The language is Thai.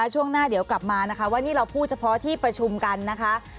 ช่วงหน้าเดี๋ยวกลับมานะคะว่านี่เราพูดเฉพาะที่ประชุมกันนะคะ